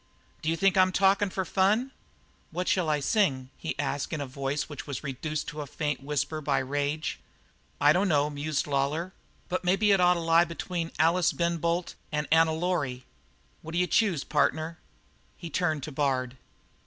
"D'you think I'm talking for fun?" "What'll I sing?" he asked in a voice which was reduced to a faint whisper by rage. "I dunno," mused Lawlor, "but maybe it ought to lie between 'Alice, Ben Bolt,' and 'Annie Laurie.' What d'you choose, partner?" He turned to Bard.